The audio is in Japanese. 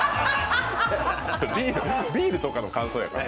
ビールとかの感想やから。